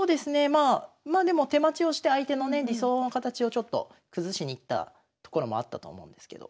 まあまあでも手待ちをして相手のね理想の形をちょっと崩しにいったところもあったと思うんですけど。